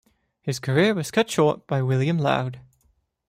His career was cut short by William Laud.